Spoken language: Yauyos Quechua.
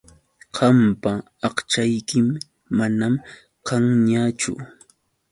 Qampa aqchaykim manam kanñachu.